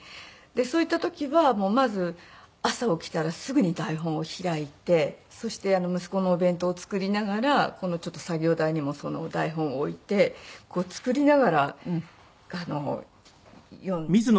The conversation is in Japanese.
でそういった時はまず朝起きたらすぐに台本を開いてそして息子のお弁当を作りながらこのちょっと作業台にもその台本を置いてこう作りながら読んで。